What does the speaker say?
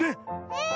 うん！